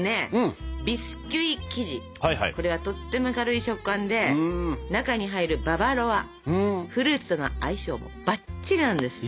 これはとっても軽い食感で中に入るババロアフルーツとの相性もバッチリなんです！